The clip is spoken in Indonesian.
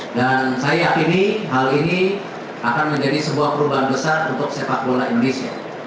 saya yakini hal ini akan menjadi sebuah perubahan besar untuk sepak bola indonesia